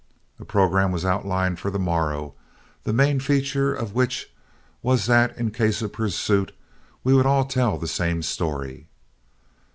A programme was outlined for the morrow, the main feature of which was that, in case of pursuit, we would all tell the same story.